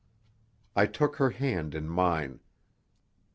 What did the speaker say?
I took her hand in mine.